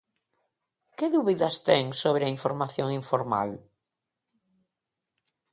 ¿Que dúbidas ten sobre a información informal?